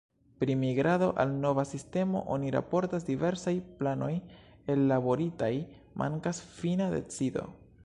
Pri migrado al nova sistemo oni raportas ”Diversaj planoj ellaboritaj, mankas fina decido”.